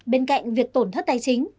bên cạnh việc tổn thất tài chính